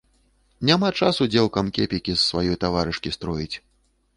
Няма часу дзеўкам кепікі з сваёй таварышкі строіць.